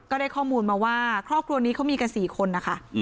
ได้ข้อมูลมาว่าครอบครัวนี้เขามีกัน๔คนนะคะ